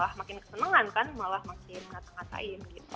malah makin kesenangan kan malah makin menatengatain gitu